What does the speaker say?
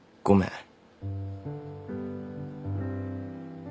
ごめん。